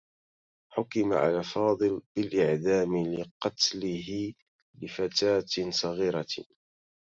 حُكِمَ على فاضل بالإعدام لقتله لفتاة صغيرة.